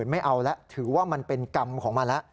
ไม่เอาแล้วถือว่ามันเป็นกรรมของมันแล้ว